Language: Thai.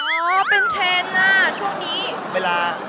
อ้าวเป็นเทรนด์น่ะช่วงนี้